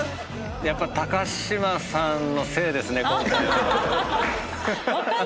やっぱ嶋さんのせいですね今回は。